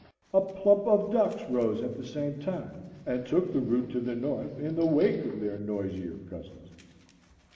A "plump" of ducks rose at the same time and took the route to the north in the wake of their noisier cousins.